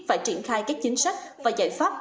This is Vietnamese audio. phải triển khai các chính sách và giải pháp